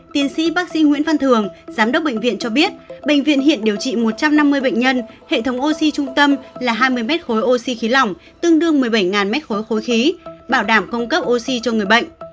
tiến sĩ bác sĩ nguyễn văn thường giám đốc bệnh viện cho biết bệnh viện hiện điều trị một trăm năm mươi bệnh nhân hệ thống oxy trung tâm là hai mươi mét khối oxy khí lỏng tương đương một mươi bảy m ba khối khí bảo đảm cung cấp oxy cho người bệnh